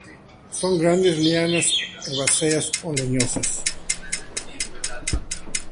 Son grandes lianas, herbáceas o leñosas.